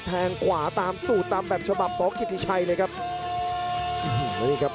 แทงขวาตามสูตรตามแบบฉบับสองกิติชัยเลยครับ